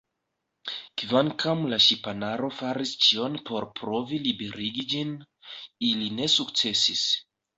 Kvankam la ŝipanaro faris ĉion por provi liberigi ĝin, ili ne sukcesis.